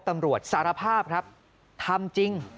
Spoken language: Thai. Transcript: ตำรวจสารภาพทำจริง